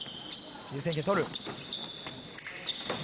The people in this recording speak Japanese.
優先権、取る。